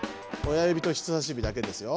親指と人さし指だけですよ。